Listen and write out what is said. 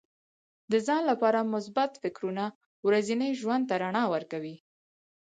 د ځان لپاره مثبت فکرونه ورځني ژوند ته رڼا ورکوي.